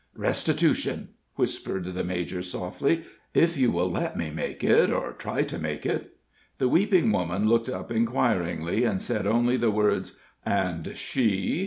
"Restitution," whispered the major softly "if you will let me make it, or try to make it." The weeping woman looked up inquiringly, and said only the words: "And she?"